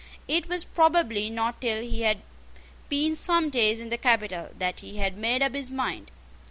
It was probably not till he had been some days in the capital that he had made up his mind.